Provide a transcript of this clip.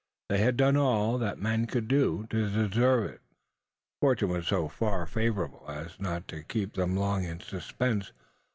They had done all, that man could do, to deserve it. Fortune was so far favourable, as not to keep them long in suspense.